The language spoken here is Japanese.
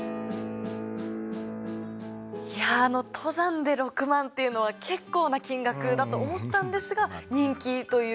いやあの登山で６万っていうのは結構な金額だと思ったんですが人気ということで。